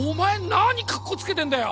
何カッコつけてんだよ